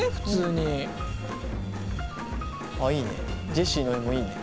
ジェシーの絵もいいね。